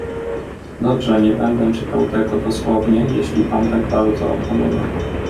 "Dobrze, nie będę czytał tego dosłownie, jeśli pan tak bardzo oponuje."